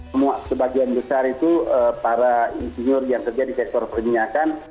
semua sebagian besar itu para insinyur yang kerja di sektor perminyakan